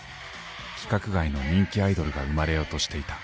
規格外の人気アイドルが生まれようとしていた。